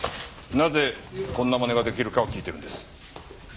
なぜこんな真似が出来るかを聞いてるんです。